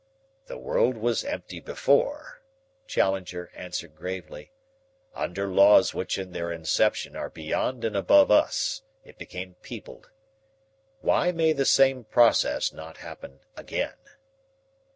"The world was empty before," Challenger answered gravely. "Under laws which in their inception are beyond and above us, it became peopled. Why may the same process not happen again?"